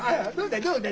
どうだ？